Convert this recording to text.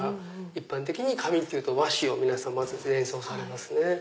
一般的に紙っていうと和紙を皆さんまず連想されますね。